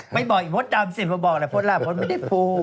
ไม่บอกที่มดดำสิบอกอะไรพอตลาดม่นไม่ได้พูด